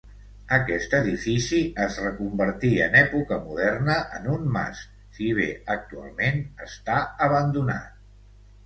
Aquest edifici es reconvertí en època moderna en un mas, si bé actualment està abandonat.